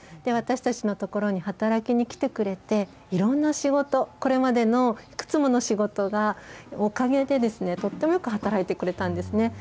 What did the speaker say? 私たちの所に働きに来てくれて、いろんな仕事、これまでのいくつもの仕事のおかげでとってもよく働いてくれたんですね。